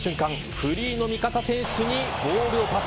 フリーの味方選手にボールをパス。